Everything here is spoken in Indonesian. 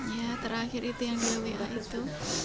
ya terakhir itu yang dia wa itu